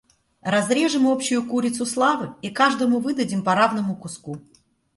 Разрежем общую курицу славы и каждому выдадим по равному куску.